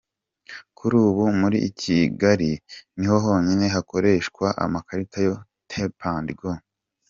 Kuri ubu muri Kigali niho honyine hakoreshwa amakarita ya tapu endi go.